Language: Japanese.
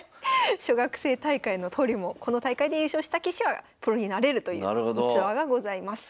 小学生大会の登竜門この大会で優勝した棋士はプロになれるという逸話がございます。